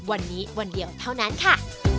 วันนี้วันเดียวเท่านั้นค่ะ